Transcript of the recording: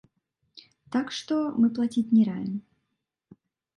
Так што, мы плаціць не раім.